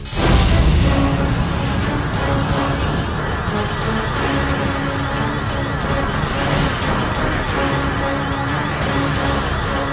dinda akan menyerang dinda